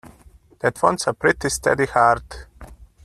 That wants a pretty steady heart.